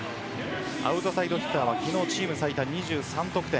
アウトサイドヒッターは昨日チーム最多の２３得点。